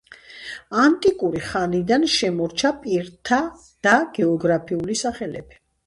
ანტიკური ხანიდან შემორჩა პირთა და გეოგრაფიული სახელები.